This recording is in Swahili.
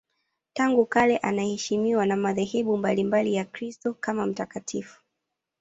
Tangu kale anaheshimiwa na madhehebu mbalimbali ya Ukristo kama mtakatifu.